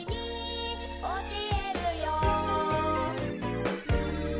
「おしえるよ」